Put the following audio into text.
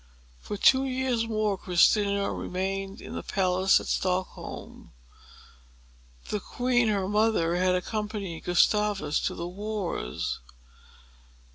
For two years more, Christina remained in the palace at Stockholm. The queen, her mother, had accompanied Gustavus to the wars.